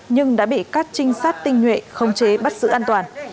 nhưng đã bị các trình sát tinh nhuệ khống chế bắt giữ an toàn